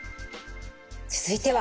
続いては？